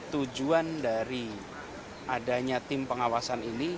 tujuan dari adanya tim pengawasan ini